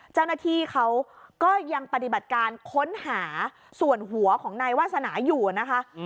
เจ้าหน้าที่เขาก็ยังปฏิบัติการค้นหาส่วนหัวของนายวาสนาอยู่นะคะ